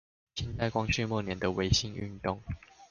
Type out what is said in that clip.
清代光緒末年的維新運動